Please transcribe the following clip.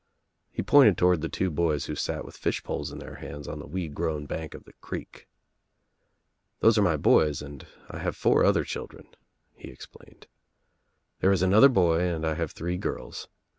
He pointed toward the two boys who sat with fishpoles in their hands on the weed grown bank of the creek. "Those are my boys and I have four other children," he explained. "There is an other boy and I have three girls.